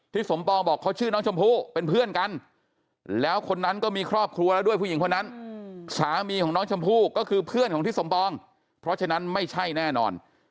สมปองบอกเขาชื่อน้องชมพู่เป็นเพื่อนกันแล้วคนนั้นก็มีครอบครัวแล้วด้วยผู้หญิงคนนั้นสามีของน้องชมพู่ก็คือเพื่อนของทิศสมปองเพราะฉะนั้นไม่ใช่แน่นอน